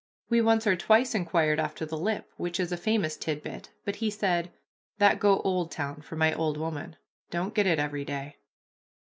We once or twice inquired after the lip, which is a famous tidbit, but he said, "That go Oldtown for my old woman; don't get it every day."